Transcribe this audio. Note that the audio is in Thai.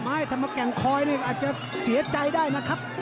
ไม่เทอร์มากแกงคอยอาจจะเสียใจได้นะครับ